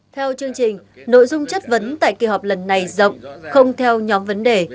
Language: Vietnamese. theo chương trình nội dung chất vấn tại kỳ họp lần này rộng không theo nhóm vấn đề